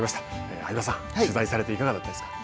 相葉さん、取材されていかがだったですか。